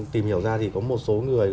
tìm hiểu ra thì có một số người